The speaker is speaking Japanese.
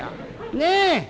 ねえ。